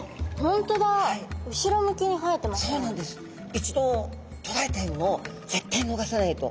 一度とらえた獲物を絶対逃さないと。